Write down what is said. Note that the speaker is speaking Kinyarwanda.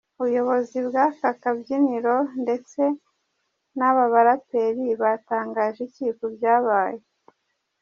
Ubuyobozi bw’ aka kabyiniro ndetse n’aba baraperi batangaje iki ku byabaye?.